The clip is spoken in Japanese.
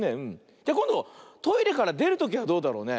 じゃこんどトイレからでるときはどうだろうね。